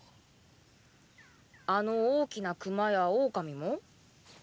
あの大きな熊やオオカミも？